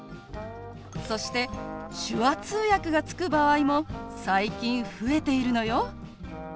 そして手話通訳がつく場合も最近増えているのよ。